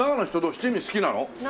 七味好きなの？